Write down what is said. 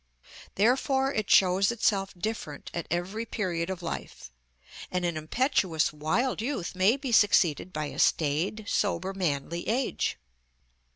Therefore it shows itself different at every period of life, and an impetuous, wild youth may be succeeded by a staid, sober, manly age.